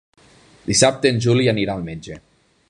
Dissabte en Juli anirà al metge.